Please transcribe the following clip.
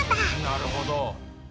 なるほど。